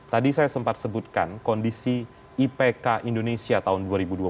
tadi saya sempat sebutkan kondisi ipk indonesia tahun dua ribu dua puluh